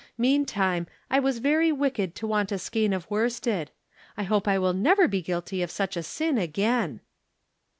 Mean time, I was very wicked to want a skein of worsted. I hope I wUl never be guilty of such a sin again."